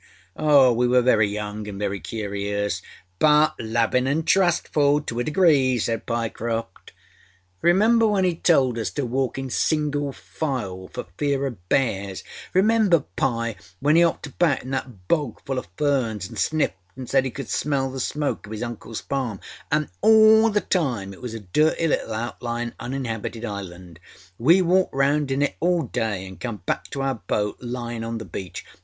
We were very young anâ very curious.â â_But_ lovinâ anâ trustful to a degree,â said Pyecroft. âRemember when âe told us to walk in single file for fear oâ bears? âRemember, Pye, when âe âopped about in that bog full oâ ferns anâ sniffed anâ said âe could smell the smoke of âis uncleâs farm? Anâ all the time it was a dirty little out lyinâ uninhabited island. We walked round it in a day, anâ come back to our boat lyinâ on the beach.